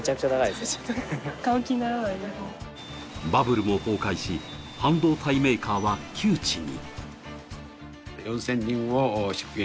バブルも崩壊し、半導体メーカーは窮地に。